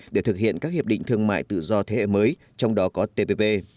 để thực hiện các hiệp định thương mại tự do thế hệ mới trong đó có tpp